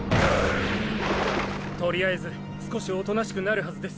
とりあえず少しおとなしくなるはずです。